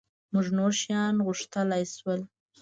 مونږ نور شیان غوښتلای شول.